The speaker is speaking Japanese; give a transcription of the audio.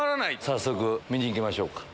早速見に行きましょうか。